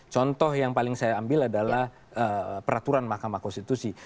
contoh yang paling saya ambil adalah peraturan mahkamah konstitusi